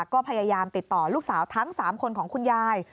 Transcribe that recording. ก็พยายามติดต่อลูกสาวทั้ง๓คนของคุณยาย